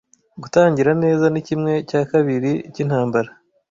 Gutangira neza ni kimwe cya kabiri cyintambara.